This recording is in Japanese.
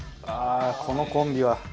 ああこのコンビは。